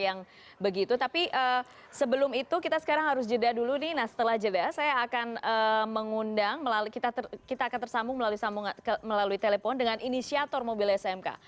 saya juga mau bertanya tanya kepada pak pabrik bahwa kita ada yang kata kata yang begitu tapi sebelum itu kita sekarang harus jeda dulu nih nah setelah jeda saya akan mengundang kita akan tersambung melalui telepon dengan inisiator mobil smk